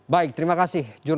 baik terima kasih